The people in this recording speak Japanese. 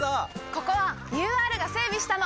ここはＵＲが整備したの！